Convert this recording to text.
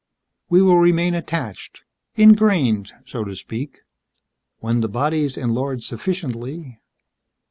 We will remain attached ingrained, so to speak. When the bodies enlarge sufficiently